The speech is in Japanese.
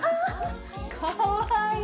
かわいい！